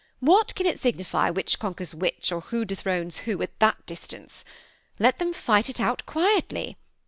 What can it signify which conquers which, or who dethrones who, at that distance ? Let them fight it out quietly.